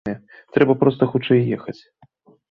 Трэба проста хутчэй ехаць!